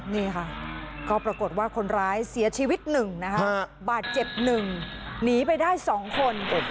นี่ค่ะเขาปรากฏว่าคนร้ายเสียชีวิตหนึ่งนะฮะบาดเจ็บหนึ่งหนีไปได้สองคน